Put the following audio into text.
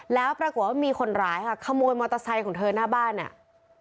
แล้วปรากฏว่ามีคนร้ายค่ะขโมยมอเตอร์ไซค์ของเธอหน้าบ้านเนี่ย